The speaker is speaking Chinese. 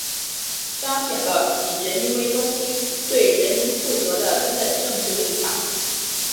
彰显了以人民为中心、对人民负责的根本政治立场